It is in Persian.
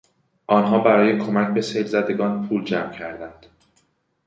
آنها برای کمک به سیل زدگان پول جمع کردند.